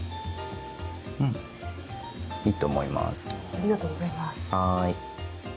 ありがとうございます。